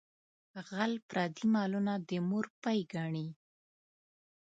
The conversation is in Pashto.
غل پردي مالونه د مور پۍ ګڼي.